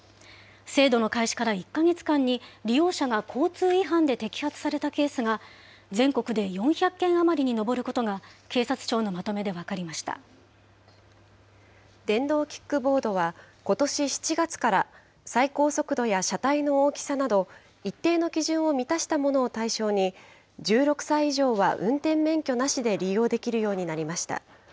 制度の開始から１か月間に、利用者が交通違反で摘発されたケースが、全国で４００件余りに上ることが、電動キックボードは、ことし７月から、最高速度や車体の大きさなど、一定の基準を満たしたものを対象に、１６歳以上は運転免許なしで利用できるようになりました。